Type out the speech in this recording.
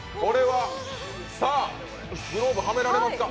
グローブはめられますか？